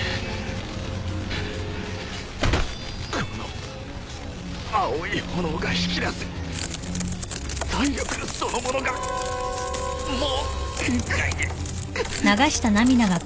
この青い炎が引き出す体力そのものがもう限界にくっ。